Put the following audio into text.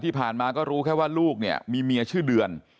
ที่ผ่านมาก็รู้แค่ว่าลูกเนี่ยมีเมียชื่อเดือน